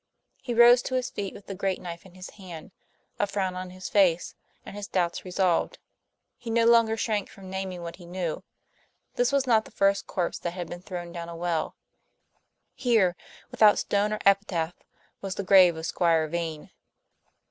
He rose to his feet with the great knife in his hand, a frown on his face, and his doubts resolved. He no longer shrank from naming what he knew. This was not the first corpse that had been thrown down a well; here, without stone or epitaph, was the grave of Squire Vane.